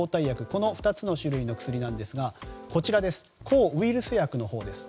この２つの種類の薬なんですが抗ウイルス薬のほうです。